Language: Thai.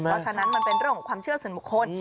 เพราะฉะนั้นมันเป็นเรื่องของความเชื่อส่วนบุคคล